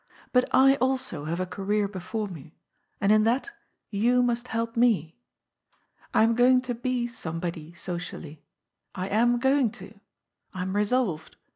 But I also hare a career before me. And in that you must help me. I am going to be somebody socially. I am going to. I am resolved.